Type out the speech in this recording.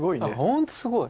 ほんとすごい。